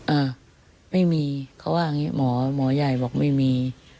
เอ้าไม่มีเขาว่าอย่างนี้หมอย่ายบอกไม่มี